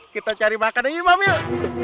kita cari makan aja imam yuk